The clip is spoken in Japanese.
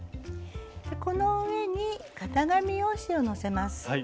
この上に型紙用紙をのせます。